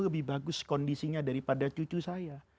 lebih bagus kondisinya daripada cucu saya